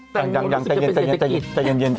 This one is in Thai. แต่หงาดเจียมจะเป็นเศรษฐกิจ